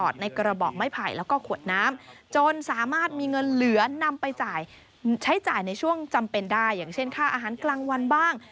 ต้องจำเป็นได้อย่างเช่นค่าอาหารกลางวันบ้าง